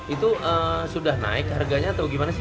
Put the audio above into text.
itu sudah naik harganya atau gimana sih